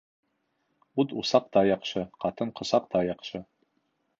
Ут усаҡта яҡшы, ҡатын ҡосаҡта яҡшы.